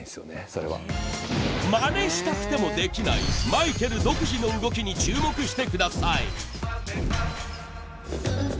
マネしたくてもできないマイケル独自の動きに注目してください。